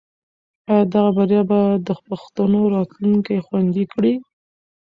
آیا دغه بریا به د پښتنو راتلونکی خوندي کړي؟